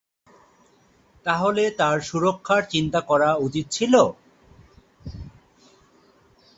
তাহলে তার সুরক্ষার চিন্তা করা উচিত ছিল?